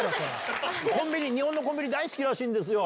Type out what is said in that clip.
コンビニ、日本のコンビニ大好きらしいんですよ。